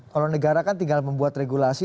kalau negara kan tinggal membuat regulasi